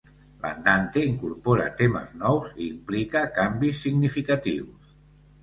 L'Andante incorpora temes nous i implica canvis significatius.